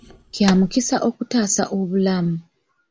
Kya mukisa okutaasa obulamu.